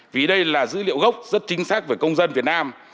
vì đây là dữ liệu gốc rất chính xác với công dân việt nam